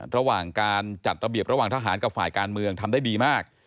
ระหว่างการจัดระเบียบระหว่างทหารกับฝ่ายการเมืองทำได้ดีมาก